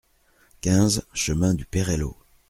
quinze chemin du Perello